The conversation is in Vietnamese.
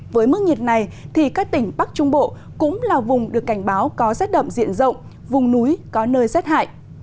với mức nhiệt này thì các tỉnh bắc trung bộ cũng là vùng được cảnh báo có rét đậm diện rộng vùng núi có nơi rét hại